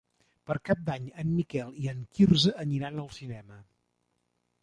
Per Cap d'Any en Miquel i en Quirze aniran al cinema.